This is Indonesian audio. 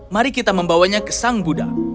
mari kita membawanya ke sang buddha